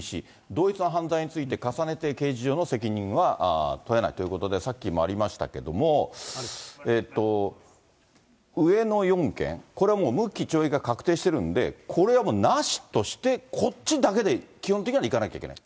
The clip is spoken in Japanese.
同一の犯罪について、重ねて刑事上の責任は問えないということで、さっきもありましたけれども、上の４件、これはもう無期懲役が確定してるんで、これはもうなしとして、こっちだけで基本的にはいかなきゃいけない。